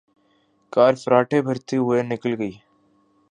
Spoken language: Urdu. کار فراٹے بھرتی ہوئے نکل گئی۔